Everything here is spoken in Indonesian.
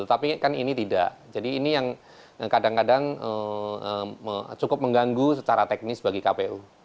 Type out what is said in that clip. tapi kan ini tidak jadi ini yang kadang kadang cukup mengganggu secara teknis bagi kpu